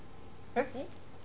えっ？